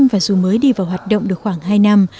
và dù mới đi vào hoạt động được khoảng hai năm